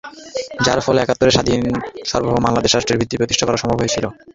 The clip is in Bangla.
যার ফলে একাত্তরে স্বাধীন সার্বভৌম বাংলাদেশ রাষ্ট্রের ভিত্তি প্রতিষ্ঠা করা সম্ভব হয়েছিল।